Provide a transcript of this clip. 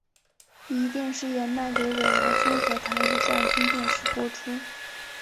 壹电视也卖给纬来综合台与冠军电视播出。